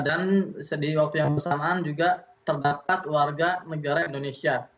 dan di waktu yang bersamaan juga terdapat warga negara indonesia